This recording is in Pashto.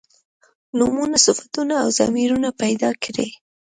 نومونه صفتونه او ضمیرونه پیدا کړي.